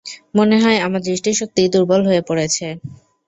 মনে হয় আমার দৃষ্টিশক্তি দুর্বল হয়ে পড়েছে।